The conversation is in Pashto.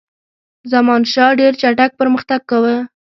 زمانشاه ډېر چټک پرمختګ کاوه.